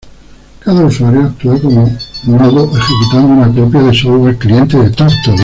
Cada usuario actúa como nodo ejecutando una copia del software cliente de Turtle.